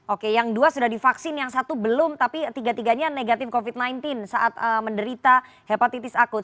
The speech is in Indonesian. oke yang dua sudah divaksin yang satu belum tapi tiga tiganya negatif covid sembilan belas saat menderita hepatitis akut